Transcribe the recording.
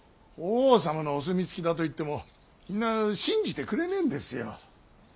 法皇様のお墨付きだと言っても皆信じてくれねえんですよ。